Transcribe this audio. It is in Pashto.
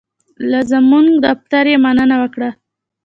له زمونږ دفتر یې مننه وکړه.